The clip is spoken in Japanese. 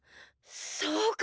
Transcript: そうか！